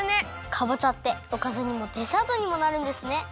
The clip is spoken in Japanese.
かぼちゃっておかずにもデザートにもなるんですね。